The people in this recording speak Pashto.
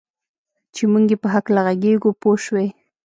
چې موږ یې په هکله ږغېږو پوه شوې!.